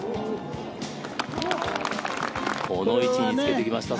この位置につけてきました。